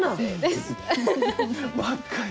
若い。